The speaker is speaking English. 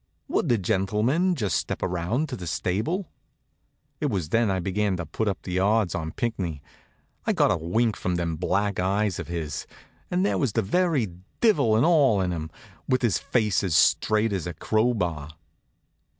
Would the gentlemen just step around to the stable? It was then I began to put up the odds on Pinckney. I got a wink from them black eyes of his, and there was the very divil an' all in 'em, with his face as straight as a crowbar.